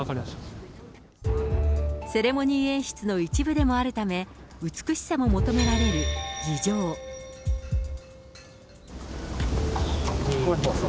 セレモニー演出の一部でもあるため、美しさも求められる儀じょう。